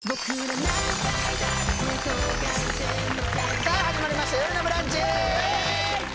さあ始まりました「よるのブランチ」